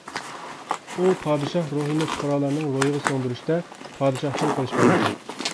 ئۇ پادىشاھ روھىنى پۇقرالارنىڭ روھىغا سىڭدۈرۈشتە پادىشاھتىن قېلىشمايدىكەن.